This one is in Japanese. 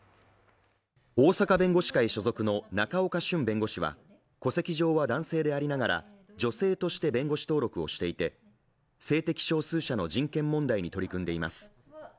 大阪弁護士会所属の仲岡しゅん弁護士は、戸籍上は男性でありながら、女性として弁護士登録をしていて、性的少数者の人権問題に取り組んでいます。